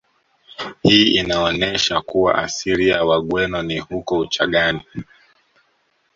Hii inaonesha kuwa asili ya Wagweno ni huko Uchagani